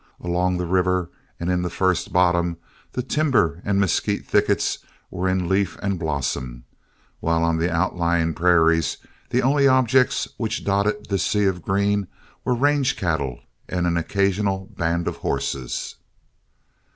Along the river and in the first bottom, the timber and mesquite thickets were in leaf and blossom, while on the outlying prairies the only objects which dotted this sea of green were range cattle and an occasional band of horses.